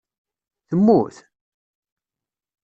Temmut?